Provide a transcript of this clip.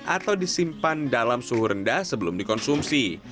atau disimpan dalam suhu rendah sebelum dikonsumsi